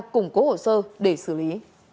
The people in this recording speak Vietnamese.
củng cố hồ sơ để xử lý